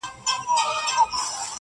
نوم یې ولي لا اشرف المخلوقات دی؟ -